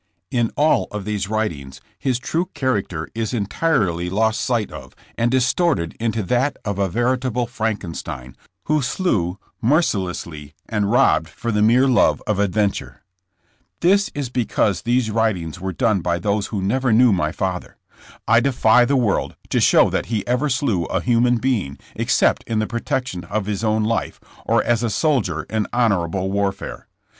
In all of these writings his true character is entirely lost sight of and distorted into that of a veritable Frankenstein who slew mercilessly and robbed for the mere love of adventure. This is because these writings were done by those who never knew my father. I defy the world to show that he ever slew a human being except in the protection of his own life, or as a soldier in hon orable warfare.